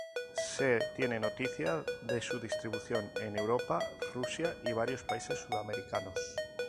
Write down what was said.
Se tiene noticia de su distribución en Europa, Rusia y varios países sudamericanos.